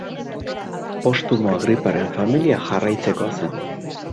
Postumo Agriparen familia jarraitzekoa zen.